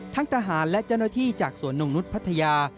ทหารและเจ้าหน้าที่จากสวนนงนุษย์พัทยา